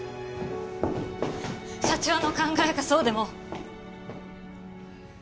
社長の考えがそうでも。